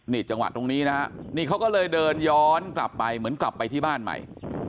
นี่จังหวะตรงนี้นะฮะนี่เขาก็เลยเดินย้อนกลับไปเหมือนกลับไปที่บ้านใหม่